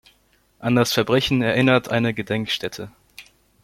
An das Verbrechen erinnert eine Gedenkstätte.